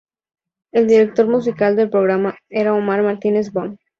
El director musical del programa era Omar Martínez Bon.